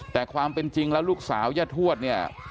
แต่ความเป็นจริงแล้วลูกสาวย่าทวดเนี่ย